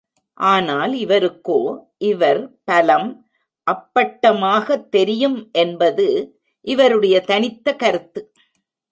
ஆனால் இவருக்கோ, இவர் பலம் அப்பட்டமாகத் தெரியும் என்பது இவருடைய தனித்த கருத்து.